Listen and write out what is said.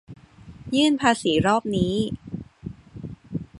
ยื่นภาษีรอบนี้